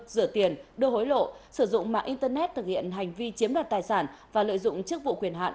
rửa tiền đưa hối lộ sử dụng mạng internet thực hiện hành vi chiếm đoạt tài sản và lợi dụng chức vụ quyền hạn